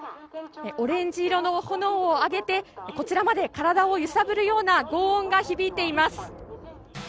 オレンジ色の炎を上げて、こちらまで体を揺さぶるようなごう音が響いています。